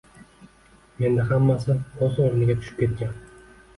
Menda hammasi o’z o’rniga tushib ketgan